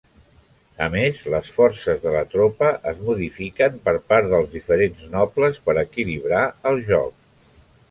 A més, les forces de la tropa es modifiquen per part dels diferents nobles per equilibrar el joc.